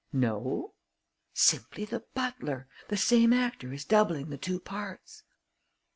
"No." "Simply the butler. The same actor is doubling the two parts."